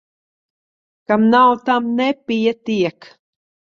Kam nav, tam nepietiek.